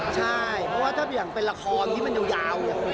ใช่เพราะว่าถ้าอย่างเป็นละครที่มันยาวอย่างนี้ได้